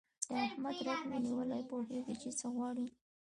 د احمد رګ مې نیولی، پوهېږ چې څه غواړي.